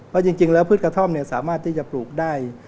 เพราะจริงแล้วพืชกระท่อมสามารถที่จะปลูกได้